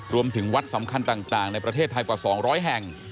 รวมถึงวัดสำคัญต่างในประเทศไทยกว่า๒๐๐แห่ง